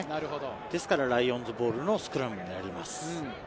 ですからライオンズボールのスクラムになります。